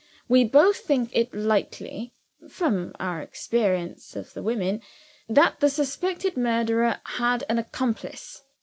"We both think it likely (from our experience of the women) that the suspected murderer had an accomplice.